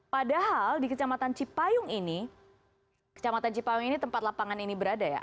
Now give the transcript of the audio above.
padahal di kecamatan cipayung ini tempat lapangan ini berada ya